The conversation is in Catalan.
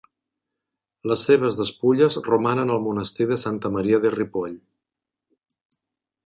Les seves despulles romanen al monestir de Santa Maria de Ripoll.